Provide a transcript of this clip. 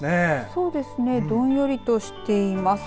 そうですねどんよりとしています。